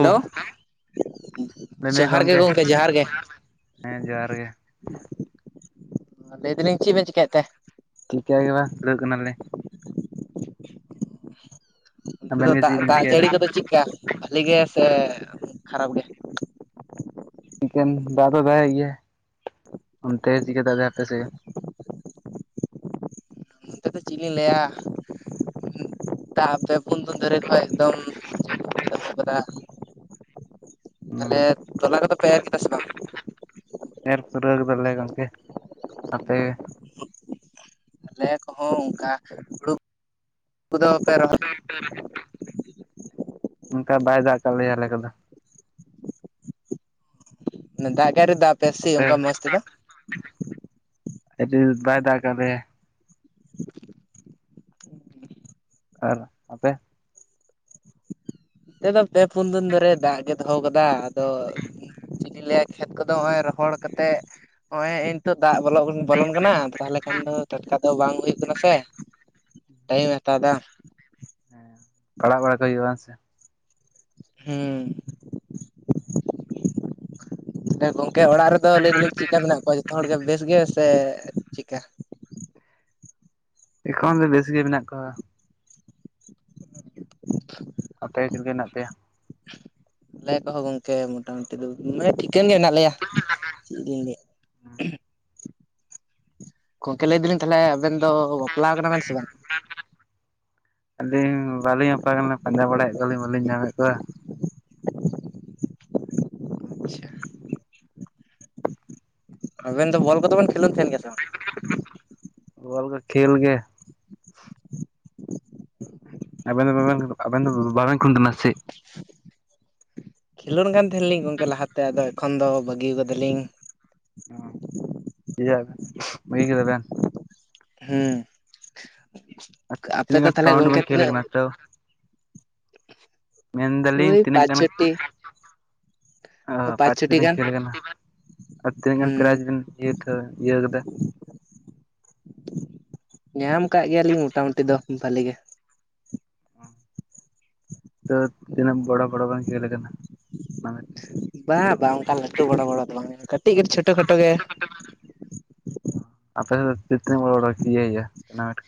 Hello ᱞᱟᱹᱭ ᱢᱮ ᱡᱚᱸᱦᱟᱨ ᱜᱮ ᱜᱚᱝᱠᱮ ᱡᱚᱸᱦᱟᱨ ᱜᱮ᱾ ᱦᱮᱸ ᱡᱚᱦᱟᱨ ᱜᱮ ᱞᱟᱹᱭ ᱫᱟᱞᱤᱧ ᱪᱮᱫ ᱵᱮᱱ ᱪᱮᱤᱠᱟᱭᱮᱫ ᱛᱮ? ᱪᱤᱠᱟ ᱜᱮ ᱵᱟᱝ ᱫᱩᱲᱩᱵ ᱠᱟᱱᱟᱞᱮ᱾ ᱛᱮᱫᱚ ᱫᱚ ᱟᱵᱮᱱ ᱜᱮ ᱫᱟᱜ ᱪᱮᱫ ᱵᱮᱱ ᱫᱟᱜ ᱡᱟᱹᱲᱤ ᱪᱤᱠᱟᱹᱭᱮᱫᱟ ᱠᱚᱫᱚ ᱪᱮᱫᱠᱟ? ᱵᱷᱟᱹᱞᱤ ᱜᱮ ᱥᱮ ᱠᱷᱟᱨᱟᱯ ᱜᱮ? ᱪᱤᱠᱮᱱ ᱫᱟ ᱫᱚ ᱫᱟ ᱮᱫ ᱜᱮᱭᱟᱭ᱾ ᱚᱱᱛᱮ ᱪᱤᱠᱟᱹ ᱫᱟᱫᱟᱭ ᱟᱯᱮ ᱥᱮ? ᱱᱚᱱᱛᱮ ᱫᱚ ᱪᱮᱫ ᱤᱧ ᱞᱟᱹᱭᱟ᱾ ᱛᱟ ᱯᱮ ᱯᱩᱱ ᱫᱩᱱ ᱫᱷᱟᱨᱮ ᱠᱷᱚᱱ ᱮᱠᱫᱚᱢᱟᱹ ᱡᱟ [unintelligible] ᱫᱚᱦᱚ ᱠᱟᱫᱟ, ᱛᱟᱞᱦᱮ ᱦᱩᱸ ᱛᱚᱞᱟ ᱠᱚᱫᱚ ᱯᱮ ᱮᱨ ᱠᱮᱫᱟ ᱥᱮ ᱵᱟᱝ? ᱮᱨ ᱯᱩᱨᱟᱹᱣ ᱠᱟᱫᱟᱞᱮ ᱜᱚᱢᱠᱮ᱾ ᱟᱯᱮ ᱜᱮ? ᱟᱞᱮ ᱠᱚᱦᱚᱸ ᱚᱝᱠᱟ ᱦᱩᱲᱩ ᱠᱚᱫᱚᱯᱮ ᱨᱚᱦᱚᱭ [unintelligible] ᱱᱚᱝᱠᱟ ᱵᱟᱭ ᱫᱟᱜ ᱠᱟᱫ ᱞᱮᱭᱟ ᱟᱞᱮ ᱠᱚᱫᱚ᱾ ᱢᱟᱱᱮ ᱫᱟᱜ ᱜᱮ ᱟᱭᱨᱤ ᱫᱟᱜ ᱟᱯᱮᱣᱟᱭ ᱥᱤ ᱟᱯᱮ ᱚᱱᱠᱟ ᱢᱚᱸᱡᱽ ᱛᱮᱫᱚ᱾ ᱟᱹᱰᱤ ᱫᱤ ᱵᱟᱭ ᱫᱟᱜ ᱠᱟᱫ ᱞᱮᱭᱟᱭ᱾ ᱟᱨ ᱟᱯᱮ? ᱛᱮᱫ ᱫᱚ ᱯᱮ ᱯᱩᱱ ᱫᱤᱱ ᱫᱷᱚᱨᱮ ᱫᱟᱜ ᱜᱮ ᱫᱚᱦᱚᱣ ᱠᱟᱫᱟ ᱟᱫᱚ ᱪᱮᱫ ᱞᱤᱧ ᱞᱮᱟᱹᱭᱟ ᱠᱷᱮᱛ ᱠᱚᱫᱚ ᱦᱚᱸᱜᱼᱚᱭ ᱨᱚᱦᱚᱲ ᱠᱟᱛᱮᱫ ᱱᱚᱜᱼᱚᱭ ᱱᱤᱛᱚᱜ ᱫᱟᱜ ᱵᱚᱞᱚᱜ ᱵᱚᱞᱚᱱ ᱠᱟᱱᱟ, ᱛᱟᱦᱚᱞᱮ ᱠᱷᱟᱱ ᱫᱚ ᱴᱟᱴᱠᱟ ᱫᱚ ᱵᱟᱝ ᱦᱩᱭᱩᱜ ᱠᱟᱱᱟ ᱥᱮ᱾ ᱴᱟᱭᱢᱮ ᱦᱟᱛᱟᱣ ᱫᱟ᱾ ᱯᱟᱲᱟᱜ ᱵᱟᱲᱟ ᱠᱚ ᱦᱩᱭᱩᱜᱼᱟ ᱦᱮᱸ ᱥᱮ᱾ ᱦᱩᱸ᱾ ᱜᱚᱝᱠᱮ ᱚᱲᱟᱜ ᱨᱮᱫᱚ ᱞᱟᱹᱭ ᱫᱟᱞᱤᱧ ᱪᱮᱫᱠᱟ ᱢᱮᱱᱟᱜ ᱠᱚᱣᱟ ᱡᱚᱛᱚ ᱦᱚᱲᱜᱮ ᱵᱮᱥ ᱜᱮ ᱥᱮ ᱪᱮᱫᱠᱟ? ᱮᱠᱷᱚᱱ ᱫᱚ ᱵᱮᱥ ᱜᱮ ᱢᱮᱱᱟᱜ ᱠᱚᱣᱟ᱾ [inaudible] ᱟᱯᱮ ᱜᱮ ᱪᱤᱫᱞᱮᱠᱟ ᱢᱮᱱᱟᱜ ᱯᱮᱭᱟ? ᱟᱞᱮ ᱠᱚᱦᱚᱸ ᱜᱚᱝᱠᱮ ᱢᱴᱟᱢᱩᱴᱤ ᱫᱚ ᱢᱟᱱᱮ ᱴᱷᱤᱠᱟᱹᱱ ᱜᱮ ᱢᱮᱱᱟᱜ ᱞᱮᱭᱟ ᱪᱮᱫ ᱞᱤᱧ ᱞᱟᱹᱭᱟ? ᱜᱚᱢᱠᱮ ᱞᱟᱹᱭ ᱫᱟᱞᱤᱱ ᱛᱟᱦᱚᱞᱮ ᱟᱵᱮᱱ ᱫᱚ ᱵᱟᱯᱞᱟᱣ ᱠᱟᱱᱟᱵ ᱥᱮ ᱵᱟᱝ? [inaudible] ᱟᱹᱞᱤᱧ ᱵᱟᱹᱞᱤᱧ ᱵᱟᱯᱟᱣ ᱠᱟᱱᱞᱤ ᱯᱟᱸᱡᱟ ᱵᱟᱲᱟᱭᱮᱫ ᱠᱚᱣᱟᱞᱤᱧ ᱵᱟᱹᱞᱤᱧ ᱧᱟᱢᱮᱫ ᱠᱚᱣᱟ᱾᱾ ᱟᱪᱪᱷᱟ ᱟᱵᱮᱱ ᱫᱚ ᱵᱚᱞ ᱠᱚᱫᱚᱵᱮᱱ ᱠᱷᱮᱞᱳᱱ ᱛᱟᱦᱮᱱ ᱜᱮᱭᱟ ᱥᱮ ᱵᱟᱝ? ᱵᱚᱞ ᱠᱚ ᱠᱷᱮᱞ ᱜᱮ ᱟᱵᱮᱱ ᱫᱚ ᱵᱟᱵᱟ ᱟᱵᱮᱱ ᱫᱚ ᱵᱟᱵᱮᱱ ᱠᱩᱱᱴ ᱱᱟᱥᱮ ᱠᱷᱮᱞᱳᱰ ᱠᱟᱱ ᱛᱟᱦᱮᱞᱤᱧ ᱜᱚᱢᱠᱮ ᱞᱟᱦᱟᱛᱮ ᱟᱫᱚ ᱮᱠᱷᱚᱱ ᱫᱚ ᱵᱟᱹᱜᱤᱭᱟ ᱠᱟᱫᱟᱞᱤᱧ ᱚ ᱵᱟᱹᱜᱤ ᱠᱮᱫᱵᱮᱱ ᱦᱮᱸ ᱟᱯᱮ ᱛᱤᱱᱟᱹᱜ ᱫᱚ ᱜᱟᱱ ᱛᱟᱦᱚᱞᱮ ᱴᱩᱨᱱᱟᱢᱮᱱᱴ ᱜᱚᱢᱠᱮ ᱵᱮᱱ ᱠᱷᱮᱞ ᱛᱤᱱᱟᱹᱜ ᱠᱟᱱᱟ ᱛᱚ ᱢᱮᱱᱫᱟᱞᱤᱧ ᱳᱭ ᱛᱤᱱᱟᱹᱜ ᱯᱟᱸᱪ ᱜᱟᱱ ᱪᱷᱚᱴᱤ [unintelligible] ᱚ ᱯᱟᱸᱪ ᱯᱟᱸᱪᱷᱮ ᱫᱚ ᱪᱷᱚᱴᱤ ᱵᱮᱱ ᱜᱟᱱ ᱠᱷᱮᱞ ᱠᱟᱱᱟ? ᱟᱨ ᱛᱤᱱᱟᱹᱜ ᱜᱟᱱ ᱯᱮᱨᱟᱡᱽ ᱦᱩᱸ ᱵᱮᱱ ᱤᱭᱟᱹ ᱤᱭᱟᱹ ᱟᱠᱟᱫᱟ? ᱧᱟᱢ ᱠᱟᱜ ᱜᱮᱭᱟᱞᱤᱧ ᱢᱚᱴᱟᱢᱩᱴᱤ ᱫᱚ ᱵᱷᱟᱞᱤ ᱜᱮ᱾ ᱛᱚ ᱛᱤᱱᱟᱹᱜ ᱵᱚᱲᱚ ᱵᱚᱲᱚ ᱵᱮᱱ ᱠᱷᱮᱞ ᱠᱟᱱᱟ ᱚᱱᱟ ᱵᱟᱝ ᱵᱟᱝ ᱚᱱᱠᱟ ᱞᱟᱹᱴᱩ ᱵᱚᱲᱚ ᱵᱚᱲᱚ ᱫᱚ ᱵᱟᱝ ᱠᱟᱹᱴᱤᱡ ᱠᱟᱹᱴᱤᱡ ᱪᱷᱳᱴᱳ ᱠᱷᱟᱴᱳ ᱜᱮ᱾ ᱟᱯᱮ ᱚᱱᱛᱮ ᱛᱤᱱᱟᱹᱜ ᱵᱚᱲ-ᱵᱚᱲ ᱤᱭᱟᱹ ᱦᱩᱭᱩᱜ ᱴᱩᱨᱱᱟᱢᱮᱱᱴ ᱾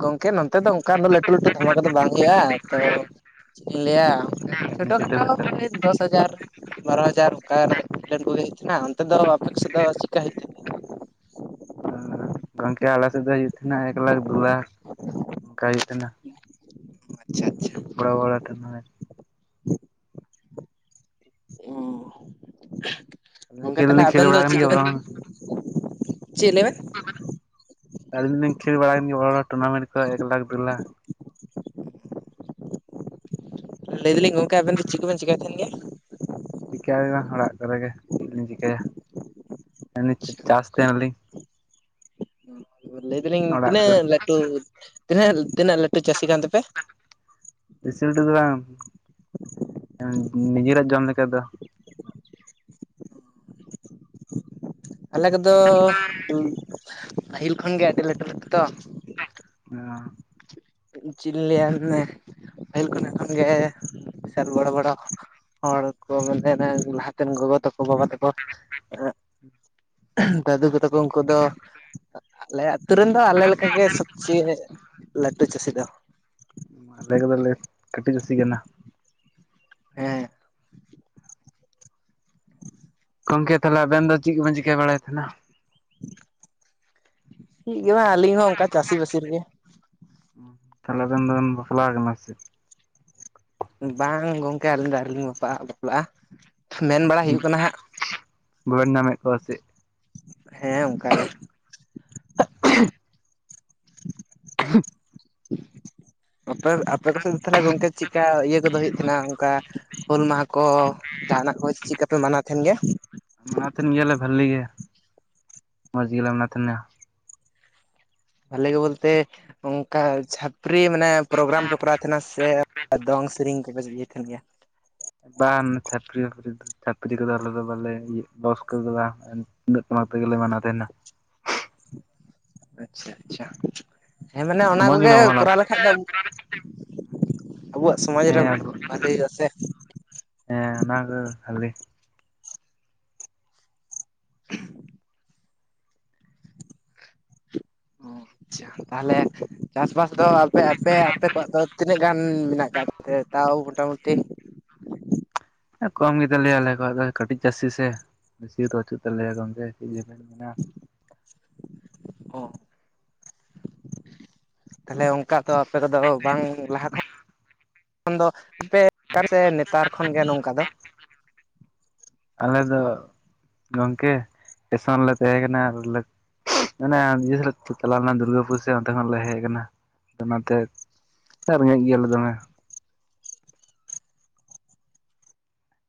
ᱜᱚᱢᱠᱮ ᱱᱚᱛᱮ ᱫᱚ ᱚᱱᱠᱟ ᱫᱚ ᱞᱟᱹᱴᱩ ᱞᱟᱹᱴᱩ ᱫᱷᱚᱢᱟᱠᱟ ᱫᱚ ᱵᱟᱝ ᱦᱩᱭᱩᱜᱼᱟ, ᱛᱚ ᱪᱮᱫ ᱤᱧ ᱞᱟᱹᱭᱟ ᱮᱢᱱᱤ ᱪᱷᱚᱴ-ᱠᱷᱟᱴ ᱪᱷᱳᱴᱳ ᱥᱮ ᱠᱷᱟᱴᱳ ᱨᱚᱠᱚᱢ ᱫᱚᱥ ᱦᱟᱡᱟᱨ ᱵᱟᱨᱳ ᱦᱟᱡᱟᱨ ᱚᱱᱠᱟᱱᱟᱜ [unintelligible] ᱠᱚᱜᱮ ᱦᱩᱭᱩᱜᱮᱡ ᱛᱟᱦᱮᱱᱟ, ᱚᱱᱛᱮ ᱫᱚ ᱟᱯᱮᱥᱮᱫ ᱫᱚ ᱪᱤᱠᱟ ᱦᱩᱭᱩᱜ ᱛᱟᱦᱮᱱᱟ? ᱜᱚᱢᱠᱮ ᱟᱞᱮ ᱥᱮᱫ ᱫᱚ ᱦᱳᱭ ᱛᱟᱦᱮᱸᱱᱟ, ᱮᱠ ᱞᱟᱠᱷ ᱫᱩ ᱞᱟᱠᱷ ᱱᱚᱱᱠᱟ ᱦᱩᱭᱩᱜᱭ ᱛᱟᱦᱮᱸᱱᱟ᱾ ᱟᱪᱪᱷᱟ ᱟᱪᱪᱷᱟ ᱵᱚᱲ ᱵᱚᱲ ᱴᱩᱨᱱᱟᱢᱮᱱᱴ ᱟᱹᱞᱤᱧ ᱜᱚᱢᱠᱮ ᱠᱷᱮᱞ ᱛᱟᱦᱚᱞᱮ ᱫᱚᱞᱤᱧ ᱠᱷᱮᱞ ᱟᱵᱮᱱ ᱫᱚ ᱵᱟᱲᱟ ᱠᱟᱱ ᱪᱮᱫ ᱜᱮᱭᱟ ᱠᱚᱵᱮᱱ ᱵᱟᱝ ᱪᱮᱫ ᱞᱟᱹᱭ ᱵᱮᱱ? ᱟᱹᱞᱤᱧ ᱫᱩᱞᱤᱧ ᱠᱷᱮᱞ ᱵᱟᱲᱟ ᱜᱮ ᱵᱚᱲ-ᱵᱚᱲ ᱴᱩᱨᱱᱟᱢᱮᱱᱴ ᱠᱚ ᱮᱠ ᱞᱟᱠᱷ ᱫᱩ ᱞᱟᱠᱷ ᱞᱟᱹᱭ ᱫᱟᱞᱤᱧ ᱜᱚᱢᱠᱮ ᱟᱵᱮᱱ ᱫᱚ ᱪᱮᱫ ᱠᱚᱵᱮᱱ ᱪᱤᱠᱟᱭ ᱛᱟᱦᱮᱱ ᱜᱮᱭᱟ? ᱪᱤᱠᱟᱹᱭ ᱦᱚᱸ ᱵᱟᱝ ᱚᱲᱟᱜ ᱠᱚᱨᱮ ᱜᱮ ᱪᱮᱫ ᱞᱤᱧ ᱪᱤᱠᱟᱹᱭᱟ ᱟᱪᱪᱷᱟ ᱪᱟᱥ ᱛᱟᱦᱮᱱᱟᱞᱤᱧ᱾ ᱞᱟᱹᱭ ᱫᱟᱞᱤᱧ ᱚᱲᱟᱜ ᱠᱚ ᱛᱤᱱᱟᱹᱜ ᱞᱟᱹᱴᱩ ᱛᱤᱱᱟᱹ ᱛᱤᱱᱟᱹᱜ ᱞᱟᱹᱴᱩ ᱪᱟᱹᱥᱤ ᱠᱟᱱ ᱛᱟᱯᱮ? ᱵᱮᱥᱤ ᱞᱟᱴᱩ ᱫᱚ ᱵᱟᱝ ᱱᱤᱡᱮᱨᱟᱜ ᱡᱚᱢ ᱞᱮᱠᱟ ᱫᱚ᱾ ᱟᱞᱮ ᱠᱚᱫᱚ ᱯᱟᱹᱦᱤᱞ ᱠᱷᱚᱱ ᱜᱮ ᱟᱹᱰᱤ ᱞᱟᱹᱴᱩ ᱞᱟᱹᱴᱩ ᱛᱚ᱾ ᱚ ᱪᱮᱫ ᱤᱧ ᱞᱟᱹᱭᱟ ᱯᱟᱹᱦᱤᱞ ᱠᱷᱚᱱᱟᱜ ᱠᱷᱚᱱ ᱜᱮ ᱥᱟᱨ ᱵᱚᱲᱚ ᱵᱚᱲᱚ ᱦᱚᱲ ᱠᱚ ᱢᱮᱱᱟ ᱞᱟᱦᱟᱛᱮᱱ ᱜᱚᱜᱚ ᱛᱟᱠᱚ ᱵᱟᱵᱟ ᱛᱟᱠᱚ ᱫᱟᱹᱫᱩ ᱠᱚ ᱛᱟᱠᱚ ᱩᱱᱠᱩ ᱫᱚ ᱟᱞᱮᱭᱟᱜ ᱟᱹᱛᱩ ᱨᱮᱱ ᱫᱚ ᱟᱞᱮᱠᱟᱜ ᱜᱮ ᱥᱚᱵᱽᱥᱮ ᱞᱟᱹᱴᱩ ᱪᱟᱹᱥᱤ ᱫᱚ᱾ ᱟᱞᱮ ᱠᱚᱫᱚᱞᱮ ᱠᱟᱹᱴᱤᱡ ᱪᱟᱹᱥᱤ ᱠᱟᱱᱟ᱾ ᱦᱮᱸ ᱜᱚᱢᱠᱮ ᱛᱟᱦᱚᱞᱮ ᱟᱵᱮᱱ ᱫᱚ ᱪᱮᱫ ᱜᱮᱵᱮᱱ ᱪᱤᱠᱟᱹ ᱵᱟᱲᱟᱭ ᱛᱟᱦᱮᱱᱟ᱾ ᱪᱮᱫ ᱦᱚᱸ ᱵᱟᱝ ᱟᱹᱞᱤᱧ ᱦᱚᱸ ᱚᱱᱠᱟ ᱪᱟᱹᱥᱤ ᱵᱟᱟᱹᱥᱤ ᱨᱮᱜᱮ᱾ ᱛᱟᱦᱚᱞᱮ ᱟᱵᱤᱱ ᱫᱚᱵᱤᱱ ᱵᱟᱯᱞᱟ ᱠᱟᱱᱟ ᱥᱮ? ᱵᱟᱝ ᱜᱚᱢᱠᱮ ᱟᱹᱞᱤᱧ ᱫᱚ ᱟᱹᱣᱨᱤ ᱞᱤᱧ ᱵᱟᱯᱞᱟᱜᱼᱟ, ᱢᱮᱱ ᱵᱟᱲᱟ ᱦᱩᱭᱩᱜ ᱠᱟᱱᱟ ᱦᱟᱸᱜ ᱵᱟᱵᱤᱱ ᱧᱟᱢ ᱮᱫ ᱠᱚᱣᱟ ᱥᱮ ᱪᱮᱫ? ᱦᱮᱸ ᱚᱱᱠᱟ ᱜᱮ [inaudible] [inaudible] ᱟᱯᱮ ᱟᱯᱮ ᱠᱚᱥᱮᱫ ᱫᱚ ᱛᱟᱦᱚᱞᱮ ᱜᱚᱢᱠᱮ ᱪᱤᱠᱟ ᱤᱭᱟᱹ ᱠᱚᱫᱚ ᱦᱩᱭᱩᱜ ᱛᱟᱦᱮᱱᱟ, ᱚᱱᱠᱟ ᱦᱩᱞ ᱢᱟᱦᱟ ᱠᱚ ᱠᱚ ᱡᱟᱦᱟᱱᱟᱜ ᱠᱚ ᱪᱮᱫᱠᱟᱯᱮ ᱢᱟᱱᱟᱣ ᱛᱟᱦᱮᱱ ᱜᱮᱭᱟ? ᱚᱱᱟ ᱛᱟᱦᱮᱱ ᱜᱮᱭᱟᱞᱮ ᱵᱷᱟᱹᱜᱤ ᱜᱮ ᱢᱚᱸᱡᱽ ᱜᱮᱞᱮ ᱚᱱᱟ ᱛᱟᱦᱮᱱᱟ᱾ ᱵᱷᱟᱹᱞᱤ ᱜᱮ ᱵᱚᱞᱛᱮ ᱚᱱᱠᱟ ᱪᱷᱟᱯᱨᱤ ᱢᱟᱱᱮ ᱯᱨᱳᱜᱨᱟᱢ ᱯᱮ ᱠᱚᱨᱟᱣ ᱛᱟᱦᱮᱱᱟ ᱥᱮ ᱫᱚᱝ ᱥᱮᱨᱮᱧ ᱠᱚᱯᱮ ᱤᱭᱟᱹᱮᱫ ᱛᱟᱦᱮᱱ ᱜᱮᱭᱟ᱾ ᱵᱟᱝ ᱪᱷᱟᱯᱨᱤ ᱵᱟᱯᱨᱤ ᱫᱚ᱾ ᱪᱷᱟᱹᱯᱨᱤ ᱠᱚᱫᱚ ᱟᱞᱮ ᱫᱚ ᱵᱟᱞᱮ ᱤᱭᱟᱹ ᱵᱟᱥ ᱠᱚᱨᱮ ᱵᱟᱝ ᱛᱩᱢᱫᱟᱹᱜ- ᱴᱟᱢᱟᱠ ᱛᱮᱜᱮ ᱞᱮ ᱢᱟᱱᱟᱣ ᱛᱟᱦᱮᱱᱟ᱾ ᱟᱪᱪᱷᱟ ᱟᱪᱪᱷᱟ ᱦᱮᱸ ᱢᱟᱱᱮ ᱚᱱᱟ ᱠᱚ ᱢᱚᱡᱽ ᱜᱮ ᱜᱮᱞᱮ ᱢᱟᱱᱟᱣ ᱠᱚᱨᱟᱣ ᱞᱮᱠᱷᱟᱡ ᱫᱚᱼᱼ ᱟᱵᱚᱣᱟᱜ ᱥᱚᱢᱟᱡᱽ ᱨᱮ ᱦᱮᱸ ᱵᱷᱟᱞᱮ ᱦᱩᱭᱩᱜ ᱟ ᱥᱮ᱾ ᱦᱮᱸ ᱚᱱᱟ ᱫᱚ [unintelligible] ᱦᱩᱸ ᱟᱪᱪᱷᱟ ᱛᱟᱞᱮ ᱪᱟᱥ ᱵᱟᱥ ᱫᱚ ᱟᱯᱮ ᱟᱯᱮ ᱟᱯᱮ ᱠᱚᱣᱟᱜ ᱫᱚ ᱛᱤᱱᱟᱹᱜ ᱜᱟᱱ? [unintelligible] ᱢᱮᱱᱟᱜ ᱟᱠᱟᱫ ᱛᱮ ᱛᱟᱣ ᱢᱚᱴᱟ ᱢᱩᱴᱤᱼᱼ ᱠᱚᱢ ᱜᱮᱛᱟ ᱞᱮᱭᱟ ᱟᱞᱮ ᱠᱚᱣᱟᱜ ᱫᱚ ᱠᱟᱹᱴᱤᱡ ᱪᱟᱹᱥᱤ ᱥᱮ ᱵᱮᱥᱤ ᱫᱚ ᱵᱟᱪᱩᱜ ᱛᱟᱞᱮᱭᱼᱟ ᱜᱚᱝᱠᱮ ᱪᱮᱫ [unintelligible] ᱚ ᱛᱟᱦᱞᱮ ᱚᱱᱠᱟ ᱫᱚ ᱟᱯᱮ ᱛᱮ ᱫᱚ ᱵᱟᱝ ᱞᱟᱦᱟ ᱠᱷᱚᱱ ᱫᱚ ᱟᱯᱮ ᱪᱮᱫᱟᱜ ᱥᱮ ᱱᱮᱛᱟᱨ ᱠᱷᱚᱱ ᱜᱮ ᱱᱚᱝᱠᱟ ᱫᱚᱼᱼ ᱟᱞᱮ ᱫᱚ ᱜᱚᱝᱠᱮ ᱴᱮᱥᱚᱱ ᱞᱮ ᱛᱟᱦᱮᱸ ᱠᱟᱱᱟ ᱟᱨ ᱞᱮ ᱢᱟᱱᱮ ᱱᱤᱭᱟᱹ ᱥᱟᱞ ᱪᱟᱞᱟᱣ ᱞᱮᱱᱟ ᱫᱩᱨᱜᱟᱹ ᱯᱩᱡᱟᱹ ᱚᱱᱛᱮ ᱠᱷᱚᱱ ᱞᱮ ᱦᱮᱡ ᱟᱠᱟᱱᱟ ᱚᱱᱟ ᱛᱮ ᱨᱮᱸᱜᱮᱡ ᱜᱮᱭᱟ ᱞᱮ ᱫᱚᱢᱮᱼᱼ